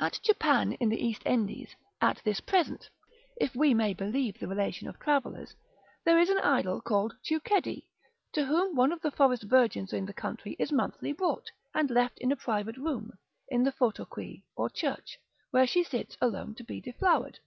At Japan in the East Indies, at this present (if we may believe the relation of travellers), there is an idol called Teuchedy, to whom one of the fairest virgins in the country is monthly brought, and left in a private room, in the fotoqui, or church, where she sits alone to be deflowered.